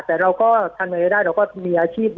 ปากกับภาคภูมิ